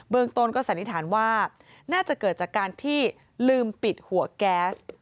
ตนก็สันนิษฐานว่าน่าจะเกิดจากการที่ลืมปิดหัวแก๊ส